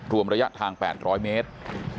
รวมระยะทาง๘๐๐เมตร